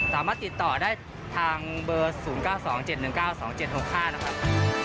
สามารถติดต่อได้ทางเบอร์๐๙๒๗๑๙๒๗๖๕นะครับ